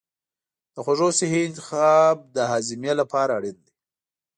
د خوړو صحي انتخاب د هاضمې لپاره اړین دی.